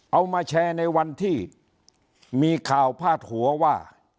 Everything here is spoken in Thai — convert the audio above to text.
เอามาแชร์ในวันที่มีข่าวพาดหัวว่า